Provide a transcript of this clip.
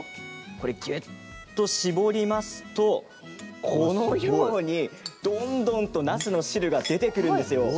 これぎゅっと搾りますとこのようにどんどんとなすの汁が出てくるんですよ。